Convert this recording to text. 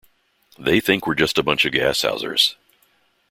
They think we're just a bunch of gashousers.